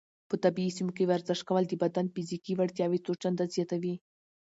په طبیعي سیمو کې ورزش کول د بدن فزیکي وړتیاوې څو چنده زیاتوي.